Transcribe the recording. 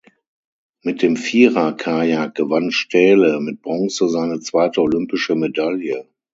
Mit dem Vierer-Kajak gewann Stähle mit Bronze seine zweite olympische Medaille.